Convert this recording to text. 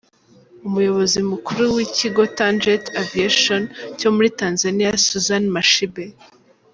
Umuyobozi mukuru w’ikigo Tanjet Aviation cyo muri Tanzania Suzan Mashibe.